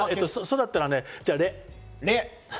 だったら、「レ」。